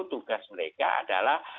tugas mereka adalah